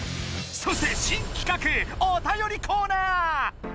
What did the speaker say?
そして新きかくおたよりコーナー！